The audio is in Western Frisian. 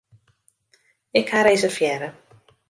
Ik ha reservearre.